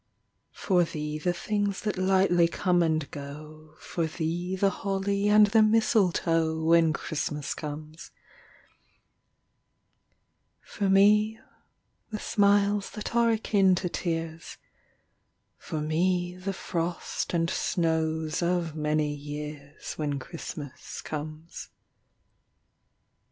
For thee, the things that lightly come and go, For thee, the holly and the mistletoe, When Christmas comes. For me, the smiles that are akin to tears, For me, the frost and snows of many years, When Christmas comes.